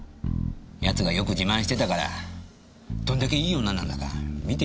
奴がよく自慢してたからどんだけいい女なんだか見てみたくて。